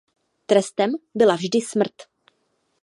Trestem byla vždy smrt.